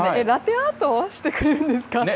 ラテアートしてくれるんですか？